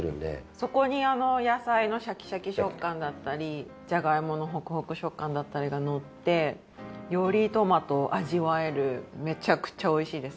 そこに野菜のシャキシャキ食感だったりじゃがいものホクホク食感だったりがのってよりトマトを味わえるめちゃくちゃおいしいです。